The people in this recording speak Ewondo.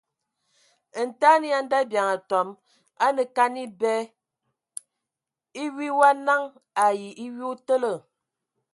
Ntaɛn ya ndabiaŋ atɔm anə kan ebɛ :e wi wa naŋ ai e wi o tələ.